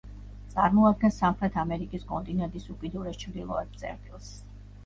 წარმოადგენს სამხრეთ ამერიკის კონტინენტის უკიდურეს ჩრდილოეთ წერტილს.